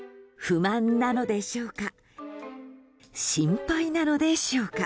不満なのでしょうか心配なのでしょうか。